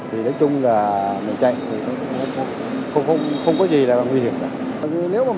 thì nói chung là bình chánh thì không có